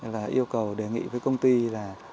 là yêu cầu đề nghị với công ty là